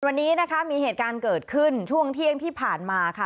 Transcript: วันนี้นะคะมีเหตุการณ์เกิดขึ้นช่วงเที่ยงที่ผ่านมาค่ะ